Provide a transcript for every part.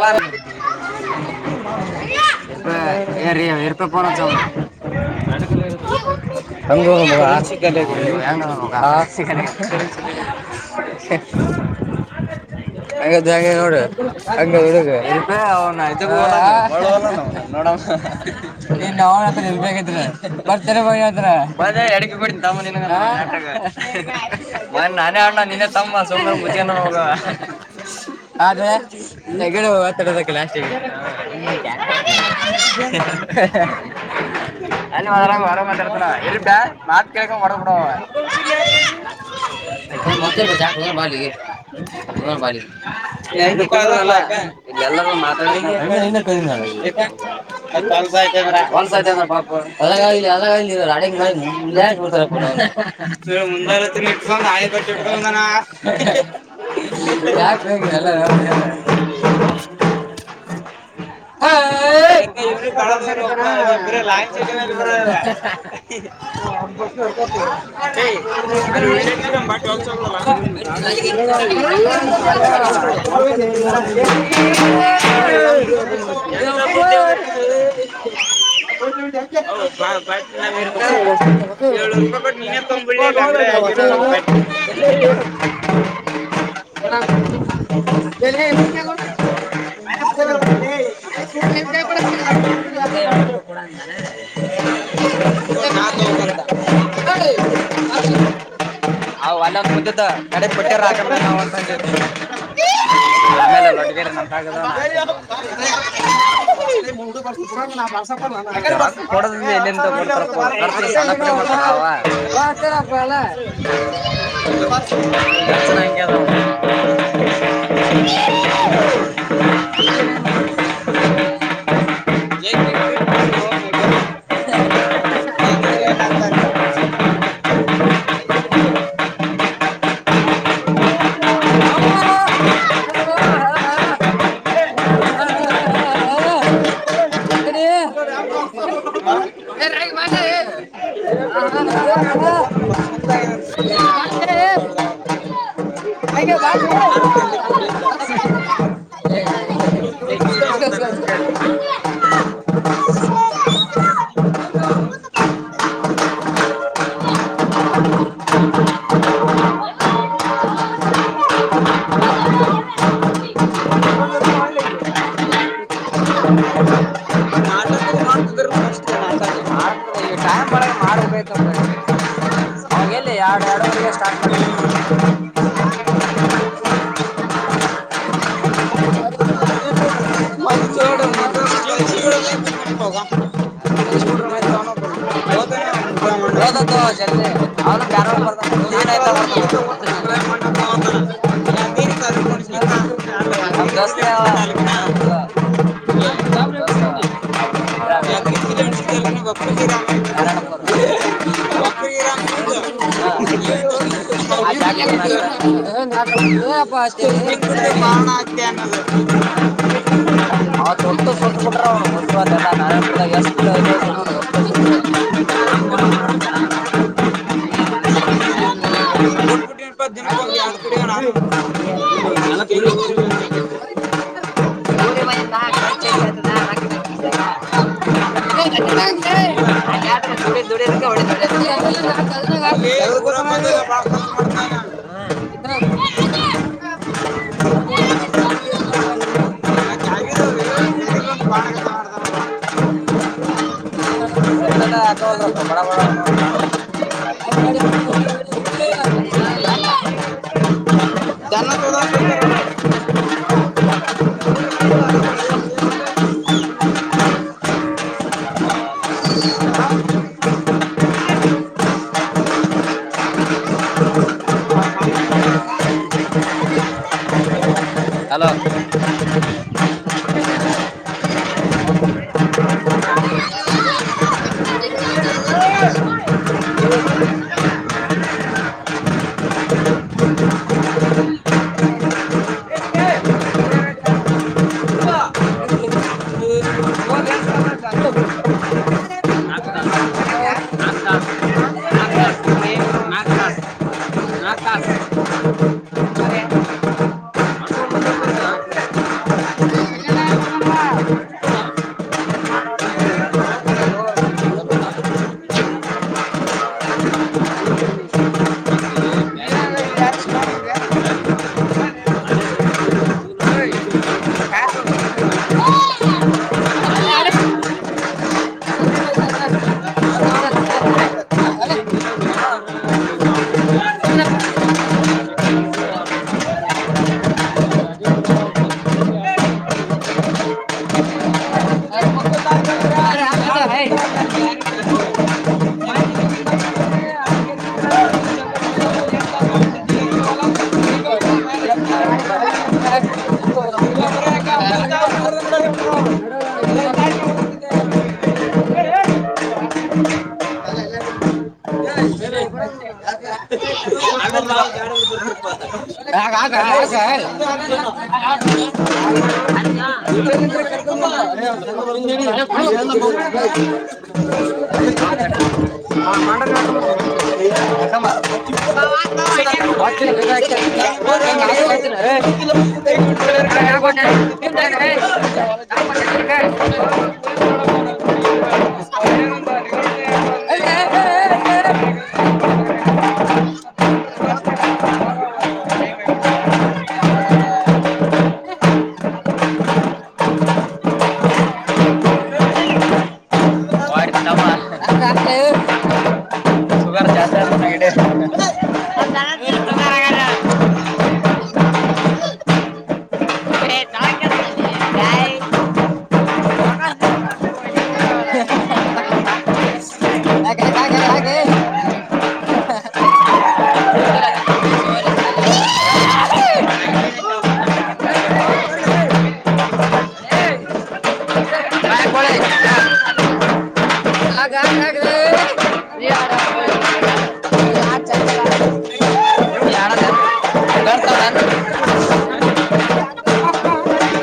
ಹ ಹೇ ಯಾರ್ ರಿ ಫೋನ್ ಹಚ್ಚದ್ ಬೆಂಗಳೂರ್ ಜಾಗ ನೋಡುುವ ಹಂಗೊಡು ಅವ್ ಇನ್ ನಿರ್ಬೇಕತ್್ರ ಬರ್ತರ ಬೋಗ ಅಡ ಅ ನಾನೇ ಅಣ್ಣ ನಿನ್ನ ತಮ್ಮ ಸ್ವ ಬಿಯಾನ ಹೋಗಣ ಆದ್ರೆ ಗಡ ಆಥರದಲ್ಲಾಷ್ಟ ಅಲ್ಲಿ ಮಾ ಇ ಮಾತ್ ಕಿಳಗ ಒಡ ಕೂಡ ಮತ್ತೆ ಜಾ ಬಾಲಿಗೆ ಬ ಕ ಪ ಅಳಗಾವ ಅಗಾವ ಅಡತರ ಆಯಂದಾನ ಯಾಲ್ಲ ಓಯ್ ಅರೆ ಒಳ್ಳಿನಡ ಬಟ ಚಲ್ ಮ ಎ ಎ ಹೊಸ ಎ ಎ ಹ ಅಲ್ಲೊಂದು ಮುಂಂದ್ದ ಕಡೆ ಬಟ್ಟೆಾರ ಆಾಕಮೇ ನಾವವು ಅಂತಂದಿ ಆಮೇಲೆಲ್ಲ ಒಟ್ಟಗೇರೆ ನನ್ ಕಾಗಲ್ಲ ಆಗ್ಬೇಕ ಅಂತ ಮ ರೊಕ್ಕ ಕೊಡದ ಎಲ್ಲಿ ಎಂತ ಕೊಡ್ತಾರಪ್ಪ ಕರ್ಚ ಸಣ್ಣಪಟ್ಟಿ ಮಾಡ್ತಾರ ನಾವ ನರ್ಚನ ಎಂಗಾದ ಒ ಯಕ ಹದು ಬೇಕತ ಮಾಡ ಹ ಹ ಹ ಹ ಗ ಸ ೇದಟ್ಟ ಅವಾಗಲ್ಲಿ ಎರಡು ಎರಡುವರೆಗೆ ಸ್ಟಾರ್ಟ್ ಮಾಡ ಮ ಇಷ್ಟ ತ ನೋದಂತ ಜಲ್ಿ ಅವ್ರ ಬ್ಯಾರಳ ಬರ್ತಾನ ತೀರಿ ತ ಅಲ್ಲ ಯಾರ [unintelligible] [unintelligible] [unintelligible] [unintelligible] [unintelligible] ಅವ ದೊಡ್ಡ ಸೊಟ್ಟು ಕೊಟ್ರ ಅವನು ಹೊಸ್ಸರು ಅಲ್ಲೆಲ್ಲ ನಾರಾಯಣಪುರದ ಎಷ್ಟು [unintelligible] [unintelligible] [inaudible] [unintelligible] [inaudible] [unintelligible] [unintelligible] [unintelligible] [inaudible] [inaudible] [unintelligible] [inaudible] [inaudible] [inaudible] ಹಲೋ [inaudible] [unintelligible] ಹೇ ಹಾಕ ಹಾಕ ಹಾಕ [inaudible] [unintelligible] [unintelligible] [unintelligible] [unintelligible] ನಾ ಕೊಡ್ಲೆ [unintelligible] [inaudible] ಹೇ ಹೇ ಹೇ ಹಾಕ್ ಹಾಕ್ರಿ ಹಾಕ್ರಿ ಹಾಕ ಹಾಕ ಹಾಕಿ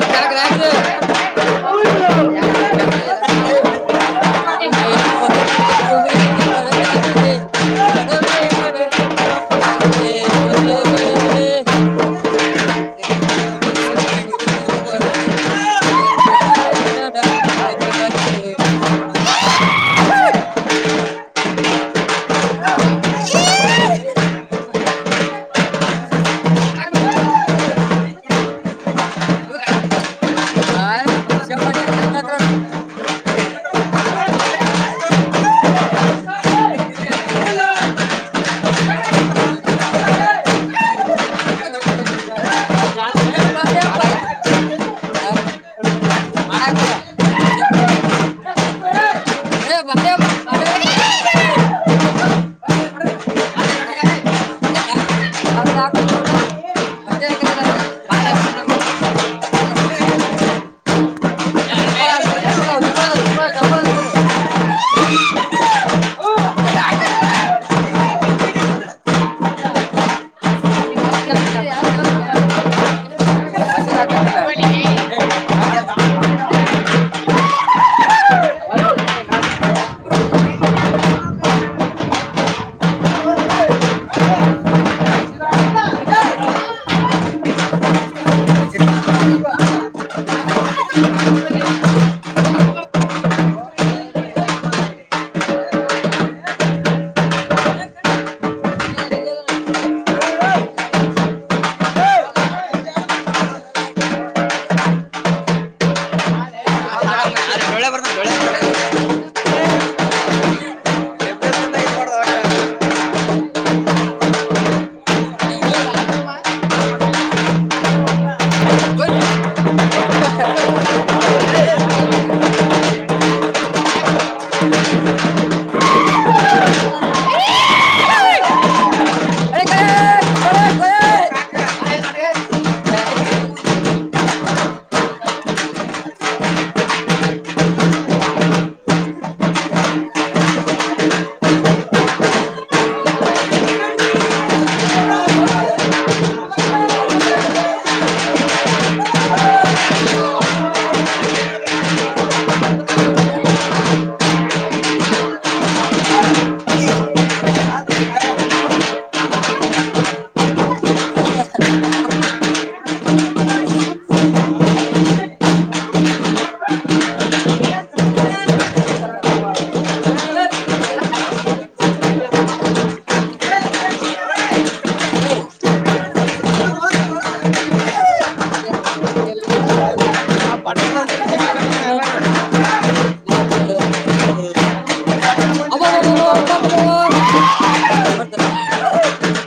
ಹಾಕ ಹಾಕ ಹಾಕ ಹಾಕ್ರಿ [unintelligible] [inaudible] [inaudible] ಹೇ ಬರ್ಯ ಹಾಕು ಹಾಕು ಹಾಕ್ರಿ [unintelligible]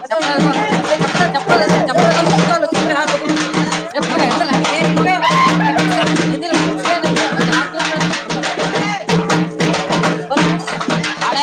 ಹ ಅಲಿಸ [unintelligible] [unintelligible]